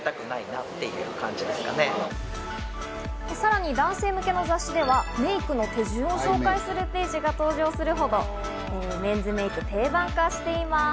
さらに男性向けの雑誌ではメイクの手順を紹介するページが登場するほど、メンズメイク定番化しています。